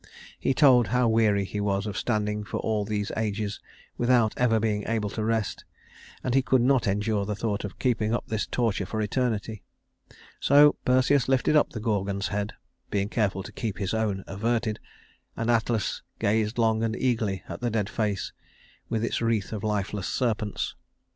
He told how weary he was of standing for all these ages without ever being able to rest, and he could not endure the thought of keeping up this torture for eternity. So Perseus lifted up the Gorgon's head, being careful to keep his own averted, and Atlas gazed long and eagerly at the dead face, with its wreath of lifeless serpents.